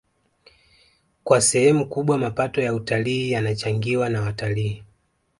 Kwa sehemu kubwa mapato ya utalii yanachangiwa na watalii